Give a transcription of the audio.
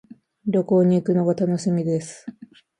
旅行に行くのが楽しみです。